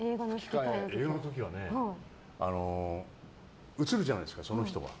映画の時は映るじゃないですか、その人が。